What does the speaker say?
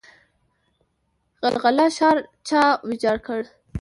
غلغله ښار چا ویجاړ کړ؟